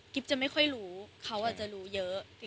จะไม่ค่อยรู้เขาอาจจะรู้เยอะ